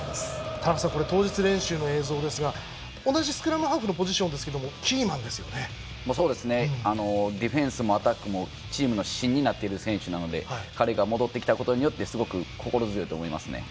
田中さん、当日練習の映像ですが同じスクラムハーフのポジションですけどディフェンスもアタックもチームの芯になっている選手なので彼が戻ってきたことによってすごく心強いと思います。